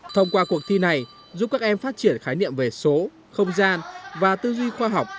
thông qua cuộc thi này giúp các em phát triển khái niệm về số không gian và tư duy khoa học